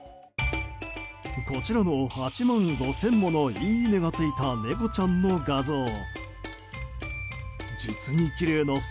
こちらの８万５０００ものいいねがついた猫ちゃんの画像。